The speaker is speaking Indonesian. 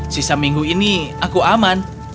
sisa minggu ini aku aman